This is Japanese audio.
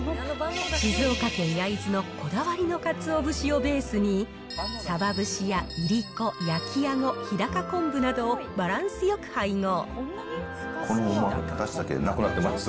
静岡県焼津のこだわりのかつお節をベースに、さば節やいりこ、焼きあご、日高昆布などをバランスよく配合。